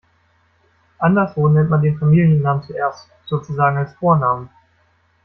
Anderswo nennt man den Familiennamen zuerst, sozusagen als Vornamen.